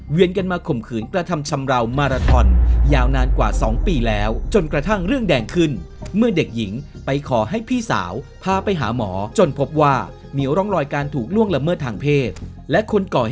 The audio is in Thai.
เวียนกันมาข่มขืนกระทำชำราวมาราทอนยาวนานกว่าสองปีแล้ว